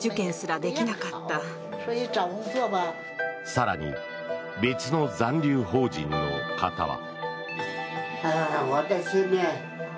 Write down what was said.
更に、別の残留邦人の方は。